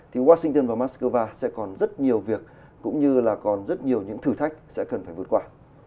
thì washington và moscow sẽ còn rất nhiều việc cũng như là còn rất nhiều những thử thách sẽ cần phải vượt qua